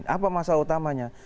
apa masalah utamanya